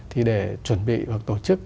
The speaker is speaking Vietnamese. thì để chuẩn bị hoặc tổ chức